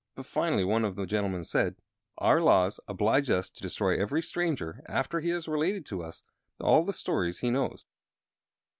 But finally one of the gentlemen said: "Our laws oblige us to destroy every stranger, after he has related to us all the stories he knows.